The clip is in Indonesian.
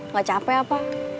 gak capek apa